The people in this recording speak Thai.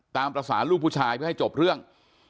ตามภาษาลูกผู้ชายเพื่อให้จบเรื่อง